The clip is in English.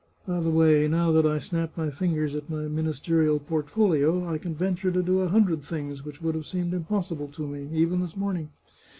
... By the way, now that I snap my fingers at 30s The Chartreuse of Parma my ministerial portfolio, I can venture to do a hundred things which would have seemed impossible to me, even this morning.